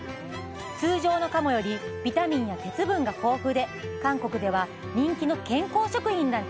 通常のカモよりビタミンや鉄分が豊富で韓国では人気の健康食品なんだそうです